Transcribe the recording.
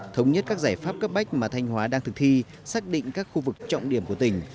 thống nhất các giải pháp cấp bách mà thanh hóa đang thực thi xác định các khu vực trọng điểm của tỉnh